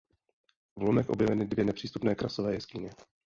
V lomech objeveny dvě nepřístupné krasové jeskyně.